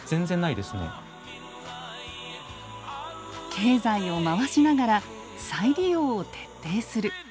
経済を回しながら再利用を徹底する。